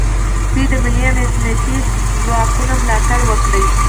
دوی د ملي امنیتي ځواکونو ملاتړ وکړ